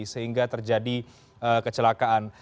sehingga terjadi kecelakaan